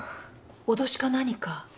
脅しか何か？